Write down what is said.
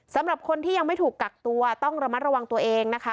สำหรับคนที่ยังไม่ถูกกักตัวต้องระมัดระวังตัวเองนะคะ